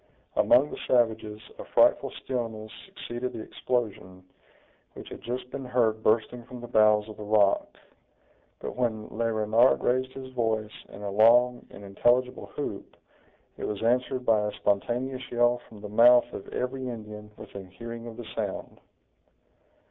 Among the savages a frightful stillness succeeded the explosion, which had just been heard bursting from the bowels of the rock. But when Le Renard raised his voice in a long and intelligible whoop, it was answered by a spontaneous yell from the mouth of every Indian within hearing of the sound.